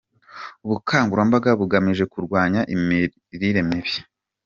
Ubukangurambaga bugamije kurwanya imirire mibi.